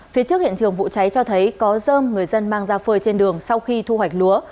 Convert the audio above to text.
phía trước hiện trường vụ cháy cho thấy có dơm người dân mang ra phơi trên đường sau khi thu hoạch lúa